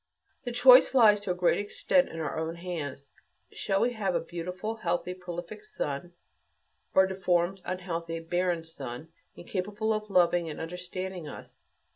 The choice lies to a great extent in our own hands. Shall we have a beautiful, healthy, prolific son, or a deformed, unhealthy, barren son, incapable of loving and understanding us?